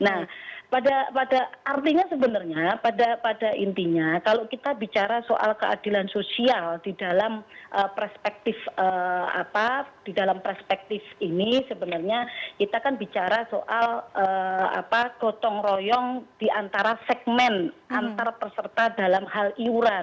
nah pada artinya sebenarnya pada intinya kalau kita bicara soal keadilan sosial di dalam perspektif apa di dalam perspektif ini sebenarnya kita kan bicara soal gotong royong di antara segmen antar peserta dalam hal iuran